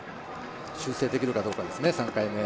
修正できるかどうかですね、３回目。